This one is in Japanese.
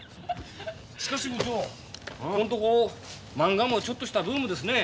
しかし部長ここんとこまんがもちょっとしたブームですね。